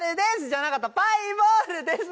じゃなかったパイボールです！